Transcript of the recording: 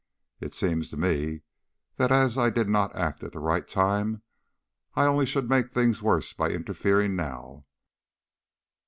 "It seems to me that as I did not act at the right time I only should make things worse by interfering now.